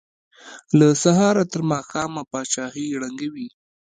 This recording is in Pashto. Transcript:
له سهاره تر ماښامه پاچاهۍ ړنګوي.